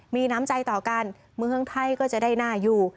มีน้ำใจต่อกันเมืองไทยก็จะได้น่าอยู่